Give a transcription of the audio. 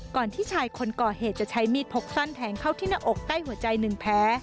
ที่ชายคนก่อเหตุจะใช้มีดพกสั้นแทงเข้าที่หน้าอกใกล้หัวใจ๑แพ้